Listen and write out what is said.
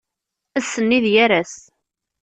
Ass-nni d yir ass.